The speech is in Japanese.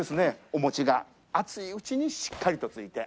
お餅が熱いうちにしっかりとついて。